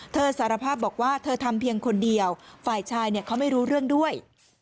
สารภาพบอกว่าเธอทำเพียงคนเดียวฝ่ายชายเขาไม่รู้เรื่องด้วย